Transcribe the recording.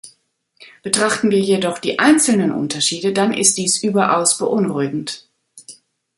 Betrachten wir jedoch die einzelnen Unterschiede, dann ist dies überaus beunruhigend.